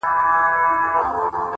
ه بيا به دې څيښلي وي مالگينې اوبه’